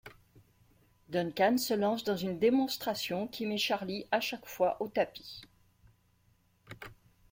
Duncan se lance dans une démonstration qui met Charlie à chaque fois au tapis.